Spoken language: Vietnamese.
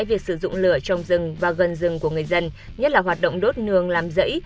việc sử dụng lửa trong rừng và gần rừng của người dân nhất là hoạt động đốt nường làm dãy